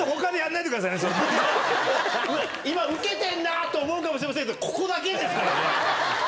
今ウケてんなと思うかもしれないですけど、ここだけですからね。